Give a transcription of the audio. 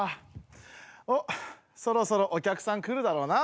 おっそろそろお客さん来るだろうな。